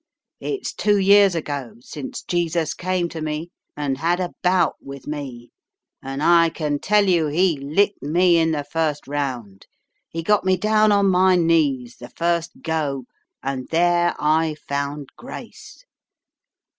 It's two years ago since Jesus came to me and had a bout with me, and I can tell you He licked me in the first round. He got me down on my knees the first go, and there I found grace.